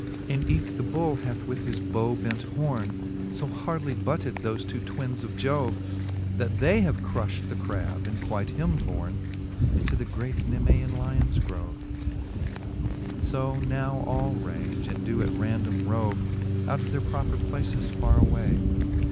VI. And eke the bull hath with his bow bent home So hardly butted thofe two twinnes of Jove, That they have crullit the crab, and quite him borne Into the great Nemosan lions grove. So now all range, and doe at random rove Out of their proper places farre away.